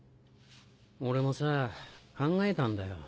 俺もさ考えたんだよ。